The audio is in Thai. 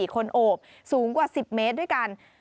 ๔คนโอบสูงกว่า๑๐เมตรด้วยกัน